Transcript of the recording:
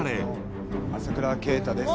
「朝倉啓太です」